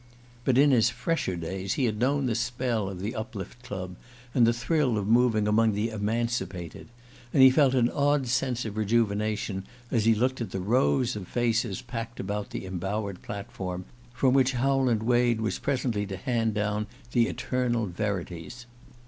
But in his fresher days he had known the spell of the Uplift Club and the thrill of moving among the Emancipated; and he felt an odd sense of rejuvenation as he looked at the rows of faces packed about the embowered platform from which Howland Wade was presently to hand down the eternal verities.